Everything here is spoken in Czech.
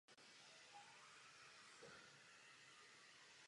Na následné stavbě hnízda i na inkubaci vajec se však již podílí samotná samice.